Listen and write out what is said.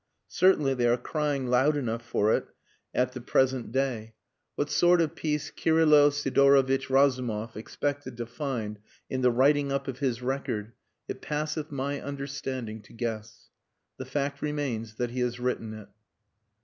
Certainly they are crying loud enough for it at the present day. What sort of peace Kirylo Sidorovitch Razumov expected to find in the writing up of his record it passeth my understanding to guess. The fact remains that he has written it.